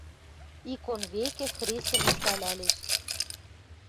Икон векӹ хрестӹм ӹштӓлтӓлеш